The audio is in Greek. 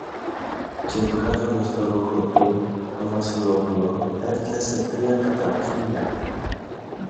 Και βγάζοντας το ρούχο του, το Βασιλόπουλο έφτιασε τρία κατρακύλια.